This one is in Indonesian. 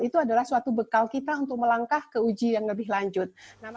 itu adalah suatu bekal kita untuk melangkah ke uji yang lebih lanjut